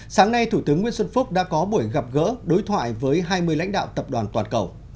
sáng nay thủ tướng nguyễn xuân phúc đã có buổi gặp gỡ đối thoại với hai mươi lãnh đạo tập đoàn toàn cầu